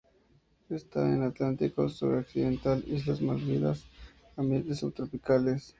Está en Atlántico sur occidental: islas Malvinas, ambientes subtropicales.